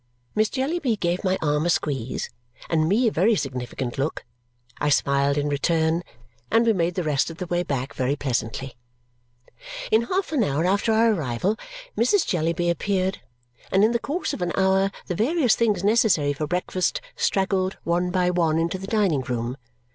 Miss Jellyby gave my arm a squeeze and me a very significant look. I smiled in return, and we made the rest of the way back very pleasantly. In half an hour after our arrival, Mrs. Jellyby appeared; and in the course of an hour the various things necessary for breakfast straggled one by one into the dining room.